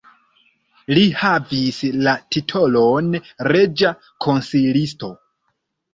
Li havis la titolon reĝa konsilisto.